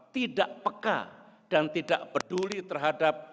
tidak peka dan tidak peduli terhadap